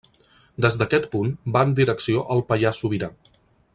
Des d'aquest punt va en direcció al Pallars Sobirà.